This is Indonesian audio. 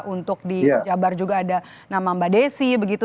untuk di jabar juga ada nama mbak desi begitu